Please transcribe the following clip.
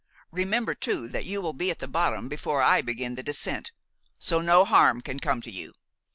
Remember too that you will be at the bottom before I begin the descent, so no harm can come to you.